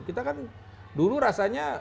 kita kan dulu rasanya